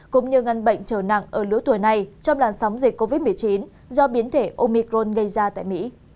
cũng như ngăn bệnh trở nặng ở lứa tuổi này trong làn sóng dịch covid một mươi chín do biến thể omicron gây ra tại mỹ